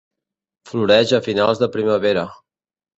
Floreix a finals de primavera.